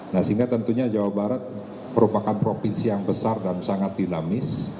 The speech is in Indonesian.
nah sehingga tentunya jawa barat merupakan provinsi yang besar dan sangat dinamis